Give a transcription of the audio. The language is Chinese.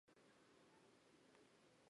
男主演洼田正孝由作者选定。